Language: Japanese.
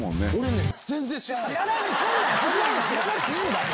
そんなもの知らなくていいんだよ。